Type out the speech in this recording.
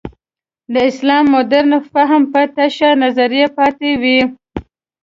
د اسلام مډرن فهم به تشه نظریه پاتې وي.